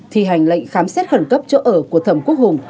thi hành lệnh khám xét khẩn cấp chỗ ở của thẩm quốc hùng